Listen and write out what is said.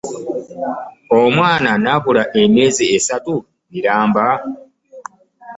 Omwana n'abula emyezi esatu miramba!